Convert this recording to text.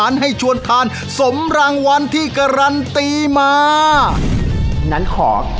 อร่อยเชียบแน่นอนครับอร่อยเชียบแน่นอนครับ